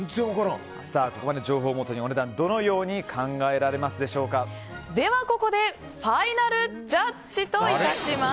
ここまでの情報をもとにお値段をどのようにではここでファイナルジャッジといたします。